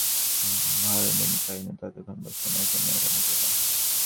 হরিমোহিনী কহিলেন, ততক্ষণ বোসো-না, এখনই এল বলে।